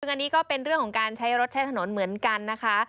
ซึ่งอันนี้ก็เป็นเรื่องของการใช้รถใช้ถนนเหมือนกันนะคะ